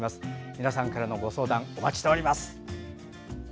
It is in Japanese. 皆さんからのご相談お待ちしております。